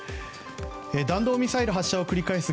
弾道ミサイル発射を繰り返す